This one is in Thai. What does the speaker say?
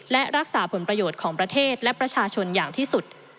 และรักษาผลประโยชน์ของประเทศและประชาชนอย่างที่สุด